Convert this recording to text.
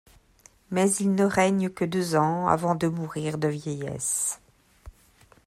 Mais il ne règne que deux ans avant de mourir de vieillesse.